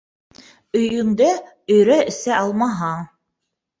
Өйөндә өйрә эсә алмаһаң